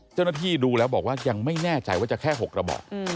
เจ้าหน้าที่ดูแล้วบอกว่ายังไม่แน่ใจว่าจะแค่๖กระบอก